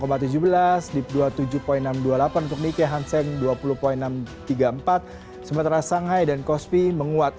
sementara shanghai dan kospi menguat apa yang membuat shanghai dan kospi menguat